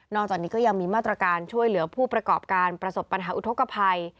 จากนี้ก็ยังมีมาตรการช่วยเหลือผู้ประกอบการประสบปัญหาอุทธกภัย